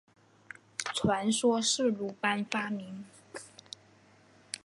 传说是鲁班发明。